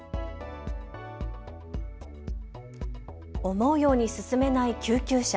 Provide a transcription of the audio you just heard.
思うように進めない救急車。